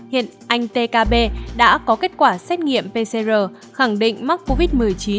hiện anh t k b đã có kết quả xét nghiệm pcr khẳng định mắc covid một mươi chín